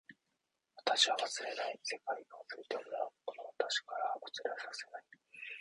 私は忘れない。世界が忘れてもこの私からは忘れさせない。